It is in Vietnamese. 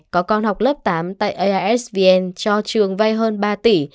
có con học lớp tám tại aisvn cho trường vay hơn ba tỷ